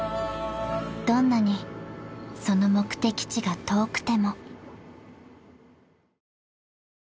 ［どんなにその目的地が遠くても］